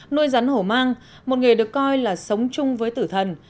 nuôi rắn hổ mang một nghề được coi là sống chung với tử thần